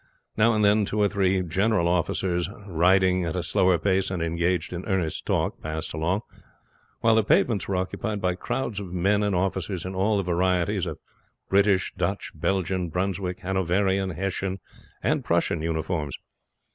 Now and then two or three general officers, riding at a slower pace and engaged in earnest talk, passed along, while the pavements were occupied by crowds of men and officers in all the varieties of British, Dutch, Belgian, Brunswick, Hanoverian, Hessian, and Prussian uniforms.